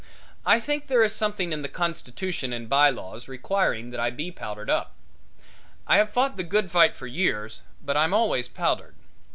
I think there is something in the constitution and by laws requiring that I be powdered up. I have fought the good fight for years, but I'm always powdered.